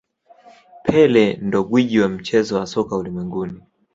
pele ndo gwiji wa mchezo wa soka ulimwenguni